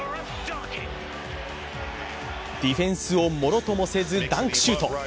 ディフェンスをもろともせずダンクシュート。